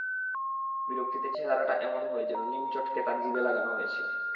বিরক্তিতে চেহারাটা এমন হয়, যেন নিম চটকে তার জিবে লাগানো হয়েছে।